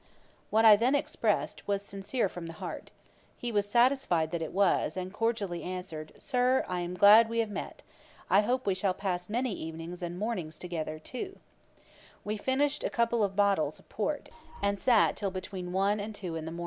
What I then expressed, was sincerely from the heart. He was satisfied that it was, and cordially answered, 'Sir, I am glad we have met. I hope we shall pass many evenings and mornings too, together.' We finished a couple of bottles of port, and sat till between one and two in the morning.